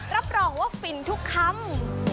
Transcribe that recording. รับรองว่าฟินทุกคำ